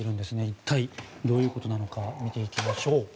一体どういうことなのか見ていきましょう。